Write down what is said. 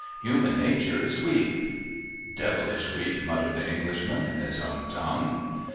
Human nature is weak.' (' Devilish weak,' muttered the Englishman, in his own language.)